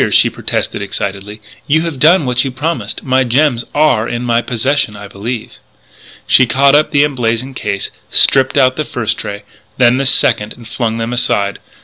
she protested excitedly, "you have done what you promised. My gems are in my possession I believe " She caught up the emblazoned case, stripped out the first tray, then the second, and flung them aside.